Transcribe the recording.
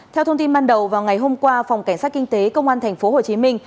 theo thông tin ban đầu vào ngày hôm qua phòng cảnh sát kinh tế công an thành phố hồ chí minh